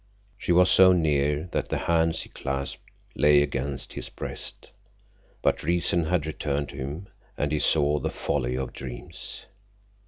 _" She was so near that the hands he clasped lay against his breast. But reason had returned to him, and he saw the folly of dreams.